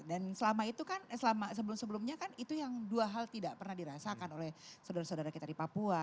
dan selama itu kan sebelum sebelumnya kan itu yang dua hal tidak pernah dirasakan oleh sodara sodara kita di papua